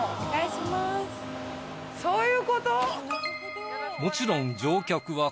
そういうこと？